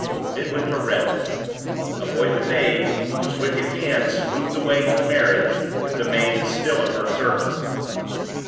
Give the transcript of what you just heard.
Midwinter read it: "Avoid the maid whose wicked hand smoothed the way to the marriage, if the maid is still in her service."